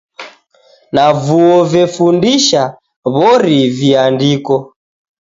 Na vuo vefundisha w'ori viandiko.